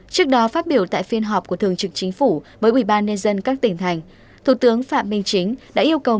trước đó phát biểu tại phiên họp của thường trực chính phủ với ubnd các tỉnh thành thủ tướng phạm minh chính đã yêu cầu